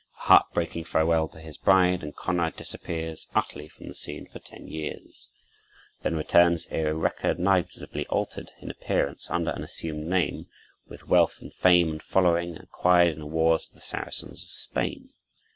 A heart breaking farewell to his bride, and Konrad disappears utterly from the scene for ten years; then returns irrecognizably altered in appearance, under an assumed name, with wealth and fame and following, acquired in wars with the Saracens of Spain.